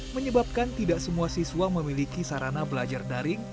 menyebabkan tidak semua siswa memiliki sarana belajar daring